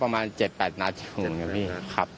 มัน๔๕นัดนะครับ